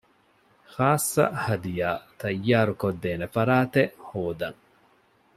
ޚާއްޞަ ހަދިޔާ ތައްޔާރު ކޮށްދޭނެ ފަރާތެއް ހޯދަން